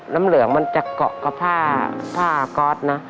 น้ำเหลืองมันจะเกาะกับผ้าผ้าก๊อตนะ